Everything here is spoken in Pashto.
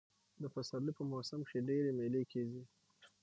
د پسرلي په موسم کښي ډېرئ مېلې کېږي.